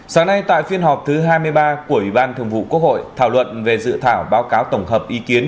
sáng nay tại phiên họp thứ hai mươi ba của ủy ban thường vụ quốc hội thảo luận về dự thảo báo cáo tổng hợp ý kiến